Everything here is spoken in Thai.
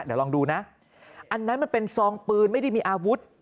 เดี๋ยวลองดูนะอันนั้นมันเป็นซองปืนไม่ได้มีอาวุธ